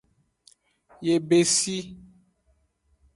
Yebesi.